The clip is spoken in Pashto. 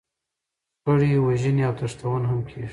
شخړې، وژنې او تښتونه هم کېږي.